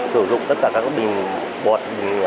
sử dụng tất cả các bình bột